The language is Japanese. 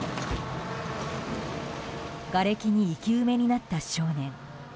がれきに生き埋めになった少年。